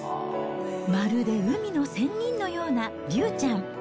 まるで海の仙人のようなりゅうちゃん。